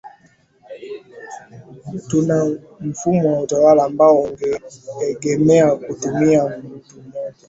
tuna mfumo wa utawala ambao unaegemea katika mtu moja